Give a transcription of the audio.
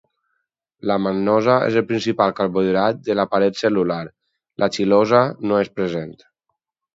La mannosa és el principal carbohidrat de la paret cel·lular, la xilosa no és present.